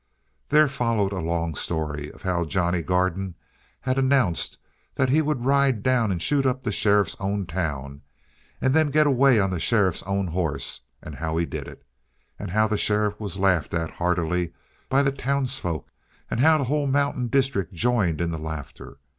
There followed a long story of how Johnny Garden had announced that he would ride down and shoot up the sheriff's own town, and then get away on the sheriff's own horse and how he did it. And how the sheriff was laughed at heartily by the townsfolk, and how the whole mountain district joined in the laughter.